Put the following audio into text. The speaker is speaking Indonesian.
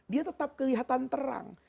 dia tetap kelihatan terang